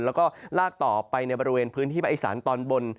แล้วก็ลากต่อไปในบริเวณพื้นที่ภาคอีสานตอนบน